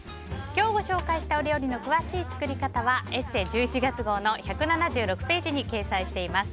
今日ご紹介したお料理の詳しい作り方は「ＥＳＳＥ」１１月号の１７６ページに掲載しています。